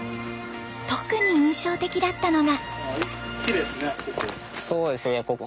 特に印象的だったのが。